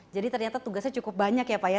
jadi ternyata tugasnya cukup banyak ya pak ya